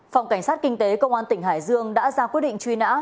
phòng cảnh sát kinh tế công an tỉnh hải dương đã ra quyết định truy nã